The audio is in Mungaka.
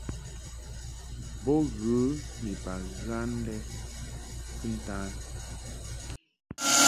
Bo ghə ni baghan lɛ kɨntan.